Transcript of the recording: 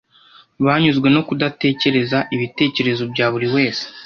Banyuzwe no kudatekereza ibitekerezo bya buri wese.